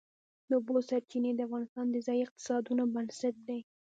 د اوبو سرچینې د افغانستان د ځایي اقتصادونو بنسټ دی.